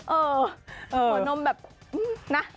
เออหัวนมแบบนะ